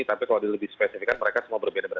tapi kalau di lebih spesifikan mereka semua berbeda beda